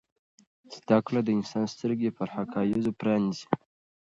زده کړه د انسان سترګې پر حقایضو پرانیزي.